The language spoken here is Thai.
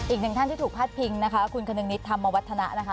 อีกหนึ่งท่านที่ถูกพาดพิงนะคะคุณคนึงนิดธรรมวัฒนะนะคะ